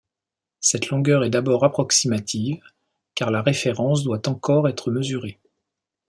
Cette longueur est d'abord approximative car la référence doit encore être mesurée.